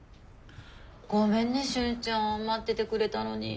ごめんね俊ちゃん待っててくれたのに。